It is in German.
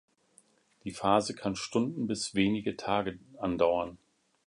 Die Phase kann Stunden bis wenige Tage andauern.